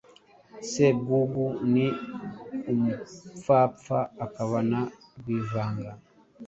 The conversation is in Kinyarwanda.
Sebwugugu ni umupfapfa, akaba na rwivanga.